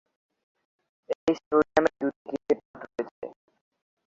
এ স্টেডিয়ামে দু'টি ক্রিকেট মাঠ রয়েছে।